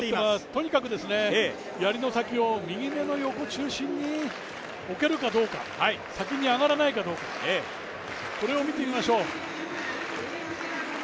とにかくやりの先を右目の横中心に置けるかどうか先に上がらないかどうかこれを見てみましょう。